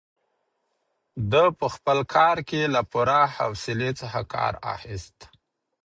ده په خپل کار کې له پوره حوصلې څخه کار اخیست.